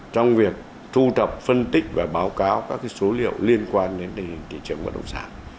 trong việc thu thập phân tích và báo cáo các số liệu liên quan đến thị trường bất động sản